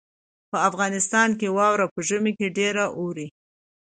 په افغانستان کې واوره په ژمي کې ډېره اوري.